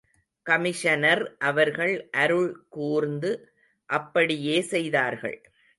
Commissioner அவர்கள் அருள் கூர்ந்து அப்படியே செய்தார்கள்.